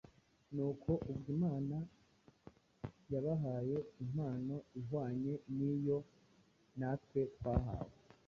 Nuko, ubwo Imana yabahaye impano ihwanye n’iyo natwe twahawe,